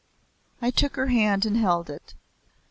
I took her hand and held it.